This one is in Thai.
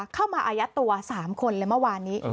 อายัดตัว๓คนเลยเมื่อวานนี้